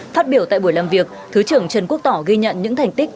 phát biểu tại buổi làm việc thứ trưởng trần quốc tỏ ghi nhận những thành tích